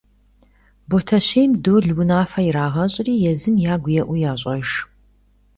Ботэщейм Дол унафэ ирагъэщӀри езым ягу еӀу ящӀэж.